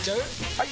・はい！